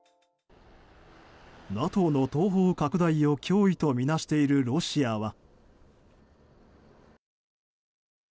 ＮＡＴＯの東方拡大を脅威とみなしているロシアは。